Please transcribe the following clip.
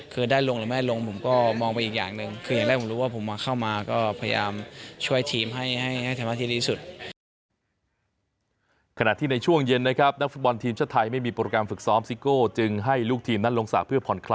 คือได้ลงหรือไม่ได้ลงผมก็มองไปอีกอย่างหนึ่ง